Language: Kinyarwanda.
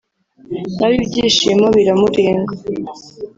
nawe ibyishimo biramurenga